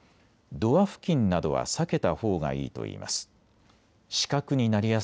ドア付近などは避けたほうがいいと言います。